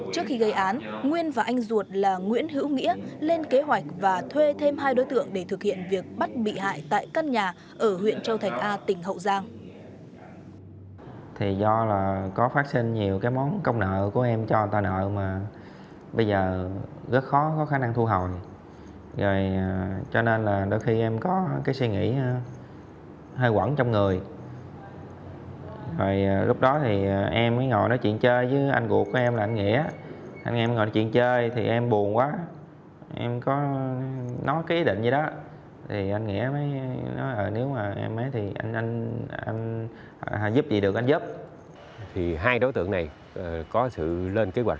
trước khi gây án nguyên và anh ruột là nguyễn hữu nghĩa lên kế hoạch và thuê thêm hai đối tượng để thực hiện việc bắt bị hại tại căn nhà ở huyện châu thành a tỉnh hậu giang